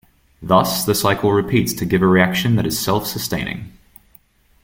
Thus, the cycle repeats to give a reaction that is self-sustaining.